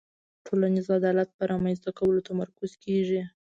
ټولنیز عدالت په رامنځته کولو تمرکز کیږي.